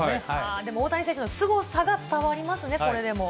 でも大谷選手のすごさが伝わりますね、これでも。